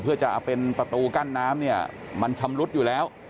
เพื่อจะเอาเป็นประตูกั้นน้ำเนี่ยมันชำรุดอยู่แล้ว